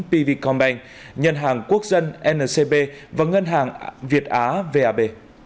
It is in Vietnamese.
pv combine nhân hàng quốc dân ncb và ngân hàng việt á vab